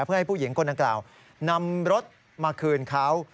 เพื่อให้ผู้หญิงคนดังกล่าวนำรถมาคืนเขา